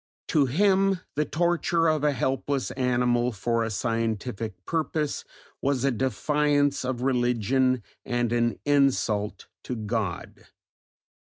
To him the torture of a helpless animal for a scientific purpose was a defiance of religion and an insult to God.